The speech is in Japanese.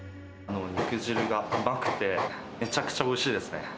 肉汁が甘くて、めちゃくちゃおいしいですね。